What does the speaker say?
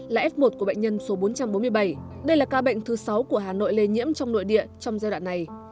là f một của bệnh nhân số bốn trăm bốn mươi bảy đây là ca bệnh thứ sáu của hà nội lây nhiễm trong nội địa trong giai đoạn này